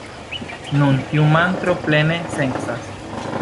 Nun, tiu mantro plene sencas.